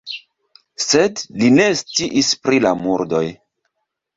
Sed li ne sciis pri la murdoj.